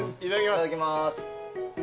いただきます。